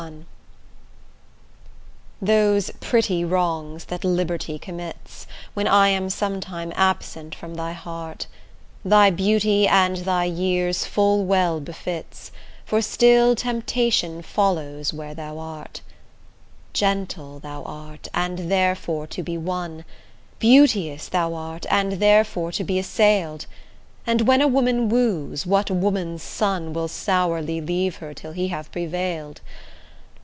XLI Those pretty wrongs that liberty commits, When I am sometime absent from thy heart, Thy beauty, and thy years full well befits, For still temptation follows where thou art. Gentle thou art, and therefore to be won, Beauteous thou art, therefore to be assail'd; And when a woman woos, what woman's son Will sourly leave her till he have prevail'd?